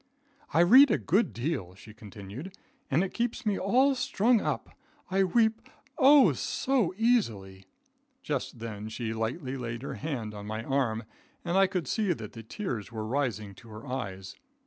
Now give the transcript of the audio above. "I read a good deal," she continued, "and it keeps me all strung up. I weep, O so easily." Just then she lightly laid her hand on my arm, and I could see that the tears were rising to her eyes.